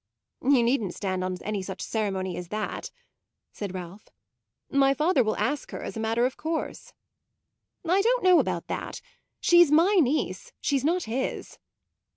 "You needn't stand on any such ceremony as that," said Ralph. "My father will ask her as a matter of course." "I don't know about that. She's my niece; she's not his."